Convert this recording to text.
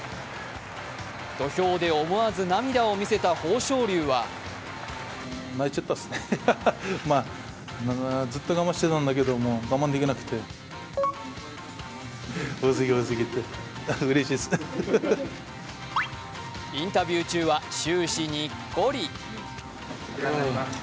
土俵で思わず涙を見せた豊昇龍はインタビュー中は終始にっこり。